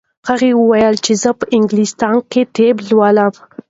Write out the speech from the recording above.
هغې وویل چې زه په انګلستان کې طب لولم.